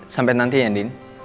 sampai nanti ya din